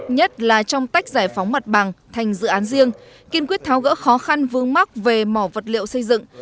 nhất là trong tách giải phóng mặt bằng thành dự án riêng kiên quyết tháo gỡ khó khăn vương mắc về mỏ vật liệu xây dựng